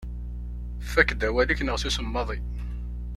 Fakk-d awal-ik neɣ susem maḍi.